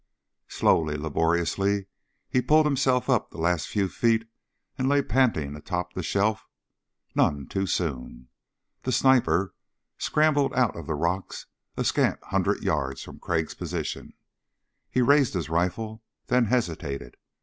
Slowly, laboriously he pulled himself up the last few feet and lay panting atop the shelf, none too soon. The sniper scrambled out of the rocks a scant hundred yards from Crag's position. He raised his rifle, then hesitated.